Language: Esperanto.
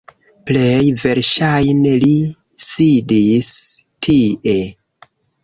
Plej verŝajne li sidis tie